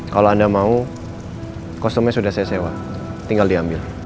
kalau anda mau kostumnya sudah saya sewa tinggal diambil